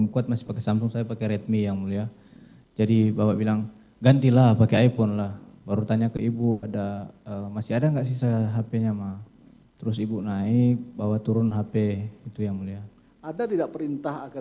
kapan saudara menyerahkan uang kepada mereka bertiga